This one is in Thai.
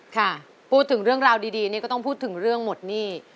ค่ะพูดถึงเรื่องราวดีนี่ก็ต้องพูดถึงเรื่องหมดหนี้